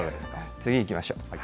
次行きましょう。